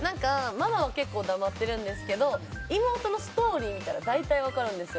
ママは結構黙ってるんですけど妹のストーリー見たら大体分かるんですよ。